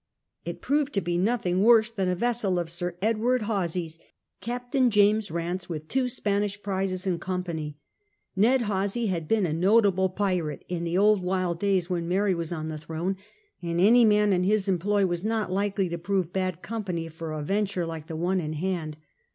It proved to be nothing worse than a vessel of Sir Edward Horsey's, Captain James Banse, with two Spanish prizes in company. Ned Horsey had been a notable pirate in the old wild days when Mary was on the throne, and any man in his employ was not likely to prove bad company for a venture like the one in hand.